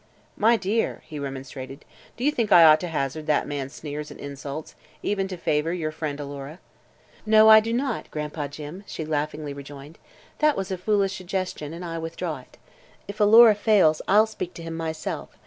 "My dear!" he remonstrated, "do you think I ought to hazard that man's sneers and insults, even to favor your friend Alora?" "No; I do not, Gran'pa Jim," she laughingly rejoined. "That was a foolish suggestion, and I withdraw it. If Alora fails, I'll speak to him myself.